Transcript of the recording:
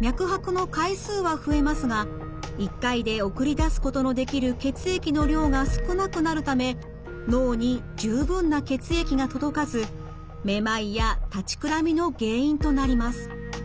脈拍の回数は増えますが１回で送り出すことのできる血液の量が少なくなるため脳に十分な血液が届かずめまいや立ちくらみの原因となります。